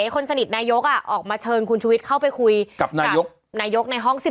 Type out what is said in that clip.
คนสนิทนายกออกมาเชิญคุณชุวิตเข้าไปคุยกับนายกในห้อง๑๐